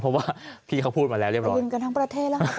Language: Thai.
เพราะว่าพี่เขาพูดมาแล้วเรียบร้อย